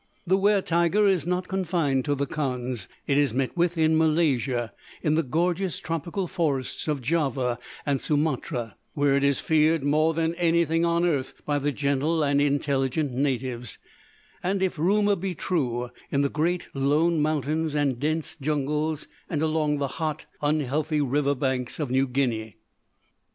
The wer tiger is not confined to the Kandhs: it is met with in Malaysia, in the gorgeous tropical forests of Java and Sumatra, where it is feared more than anything on earth by the gentle and intelligent natives; and, if rumour be true, in the great, lone mountains and dense jungles, and along the hot, unhealthy river banks of New Guinea.